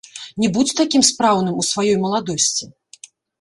Не будзь такім спраўным у сваёй маладосці.